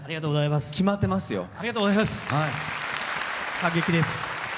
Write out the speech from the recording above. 感激です。